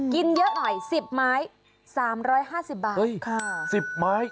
กินเยอะหน่อย๑๐ไม้๓๕๐บาท๑๐ไม้